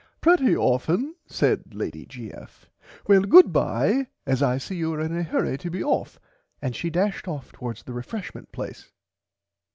Pretty often said Lady G. F. well goodbye as I see you are in a hurry to be off and she dashed off towards the refreshment place.